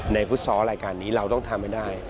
ฟุตซอลรายการนี้เราต้องทำให้ได้